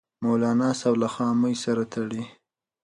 مولانا تعصب له خامۍ سره تړي